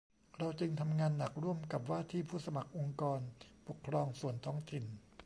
เราจึงทำงานหนักร่วมกับว่าที่ผู้สมัครองค์กรปกครองส่วนท้องถิ่น